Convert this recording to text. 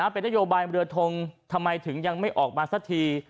เป็นนโยบายเรือทงทำไมถึงยังไม่ออกมาสักที